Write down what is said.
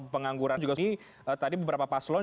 pengangguran ini tadi beberapa paslon